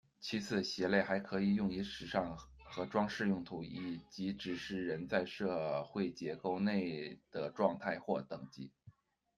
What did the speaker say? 其次，鞋类还可以用于时尚和装饰用途，以及指示人在社会结构内的状态或等级。